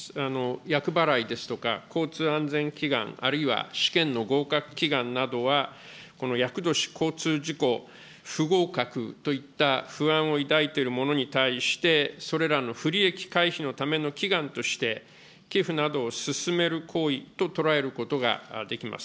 厄払いですとか、交通安全祈願、あるいは試験の合格祈願などは、この厄年、交通事故、不合格といった不安を抱いている者に対して、それらの不利益回避のための祈願として、寄付などを勧める行為と捉えることができます。